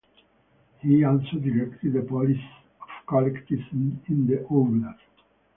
He also directed the policy of collectivism in the oblast.